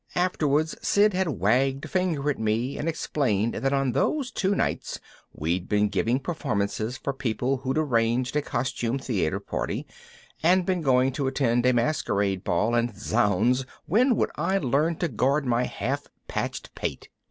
Afterwards Sid had wagged a finger at me and explained that on those two nights we'd been giving performances for people who'd arranged a costume theater party and been going to attend a masquerade ball, and 'zounds, when would I learn to guard my half patched pate?